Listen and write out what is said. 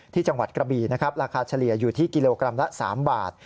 จังหวัดกระบีนะครับราคาเฉลี่ยอยู่ที่กิโลกรัมละ๓บาท